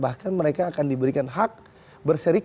bahkan mereka akan diberikan hak ya yang akan diberikan kepada mereka